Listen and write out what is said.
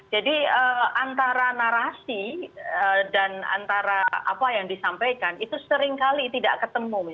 jadi antara narasi dan antara apa yang disampaikan itu seringkali tidak ketemu